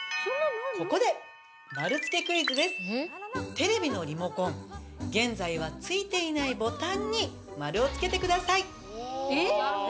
テレビのリモコン現在はついていないボタンに丸をつけてください。